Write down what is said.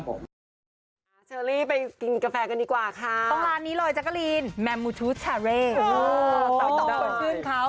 ต้องกดขึ้นคร้าว